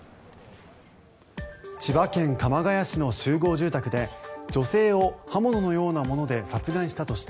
千葉県鎌ケ谷市の集合住宅で女性を刃物のようなもので殺害したとして